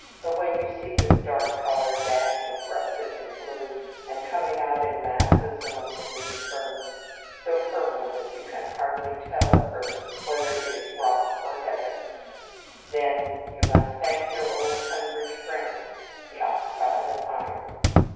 But when you see this dark colour dashed with russet and blue, and coming out in masses among the green ferns, so purple that you can hardly tell at first whether it is rock or heather, then you must thank your old Tunbridge friend, the oxide of iron.